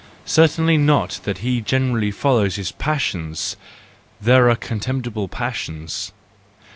Certainly not that he generally follows his passions; there are contemptible passions.